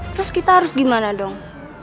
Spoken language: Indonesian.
terus kita harus gimana dong